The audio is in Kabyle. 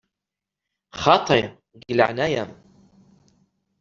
Xaṭi, deg leɛnaya-m!